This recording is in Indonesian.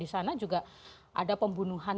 di sana juga ada pembunuhan